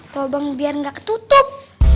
lobang biar gak ketutup